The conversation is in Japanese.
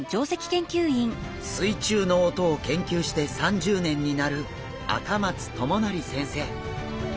水中の音を研究して３０年になる赤松友成先生。